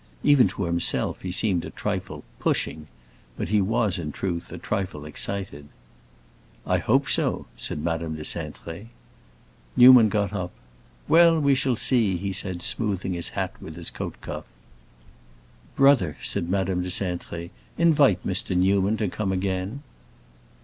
Even to himself he seemed a trifle "pushing," but he was, in truth, a trifle excited. "I hope so!" said Madame de Cintré. Newman got up. "Well, we shall see," he said smoothing his hat with his coat cuff. "Brother," said Madame de Cintré, "invite Mr. Newman to come again."